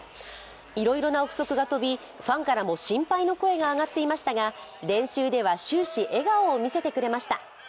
いろいろな憶測が飛び、ファンからも心配の声が上がっていましたが、練習では終始、笑顔を見せてくれました。